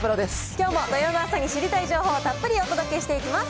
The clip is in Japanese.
きょうも土曜の朝に知りたい情報をたっぷりお届けしていきます。